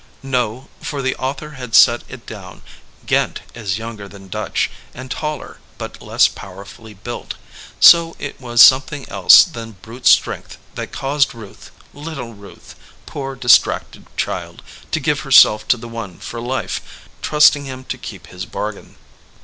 No, for the author had set it down Ghent is younger than Dutch, and taller, but less powerfully built, " so it was something else than brute strength that caused Ruth, little Ruth, poor, distracted child, to give herself to the one for life, trusting him to keep his bargain.